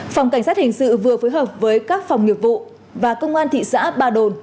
phòng cảnh sát hình sự vừa phối hợp với các phòng nghiệp vụ và công an thị xã ba đồn